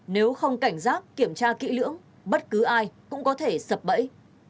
nếu không cảnh giác kiểm tra kỹ lưỡng bất cứ ai cũng có thể sập bẫy